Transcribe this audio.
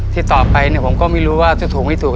ต่อไปเนี่ยผมก็ไม่รู้ว่าจะถูกไม่ถูก